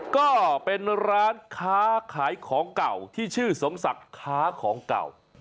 ก็เป็นร้านค้าขายของเก่าที่ชื่อสมศักดิ์ค้าของเก่า